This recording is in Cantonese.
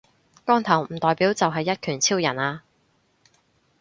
光頭唔代表就係一拳超人呀